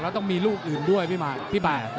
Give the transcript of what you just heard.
แล้วต้องมีลูกอื่นด้วยพี่บ่า